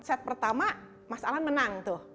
set pertama mas alan menang tuh